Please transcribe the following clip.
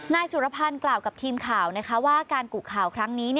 นายสุรพันธ์กล่าวกับทีมข่าวว่าการกุข่าวครั้งนี้